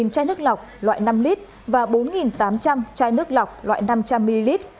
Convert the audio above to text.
một mươi chai nước lọc loại năm lít và bốn tám trăm linh chai nước lọc loại năm trăm linh ml